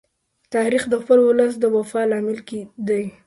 تاریخ د خپل ولس د وفا لامل دی.